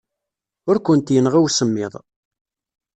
Ur kent-yenɣi usemmiḍ.